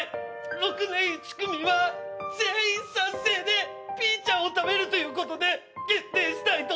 ６年１組は全員賛成でピーちゃんを食べるということで決定したいと思います。